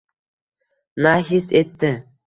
Na his etdi